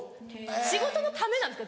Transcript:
仕事のためなんですか？